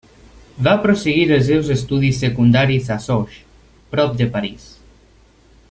Va prosseguir els seus estudis secundaris a Sceaux, prop de París.